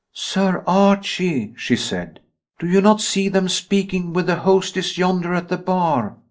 "Sir Archie," she said, "do you not see them speaking with the hostess yonder at the bar?